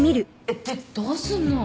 えっでどうすんの？